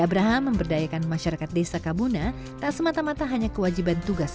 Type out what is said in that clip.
pemuda yang memperdayakan masyarakat desa kabuna tak semata mata hanya kewajiban tugas